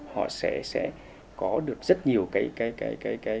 họ sẽ có được rất nhiều cái sự hoài niệm